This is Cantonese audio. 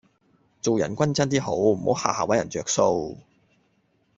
做人均真 D 好，唔好吓吓搵人着數